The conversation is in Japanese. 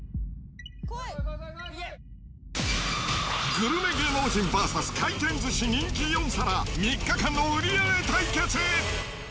グルメ芸能人ＶＳ回転寿司人気４皿、３日間の売り上げ対決。